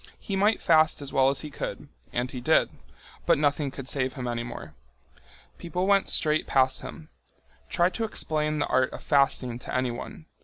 He might fast as well as he could—and he did—but nothing could save him any more. People went straight past him. Try to explain the art of fasting to anyone!